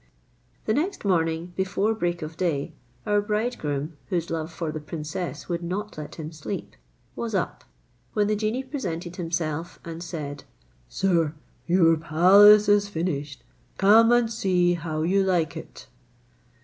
The next morning, before break of day, our bridegroom, whose love for the princess would not let him sleep, was up, when the genie presented himself, and said, "Sir, your palace is finished, come and see how you like it."